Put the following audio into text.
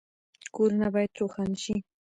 کورونه باید روښانه شي